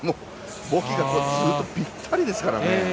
ボキがずっとぴったりですからね。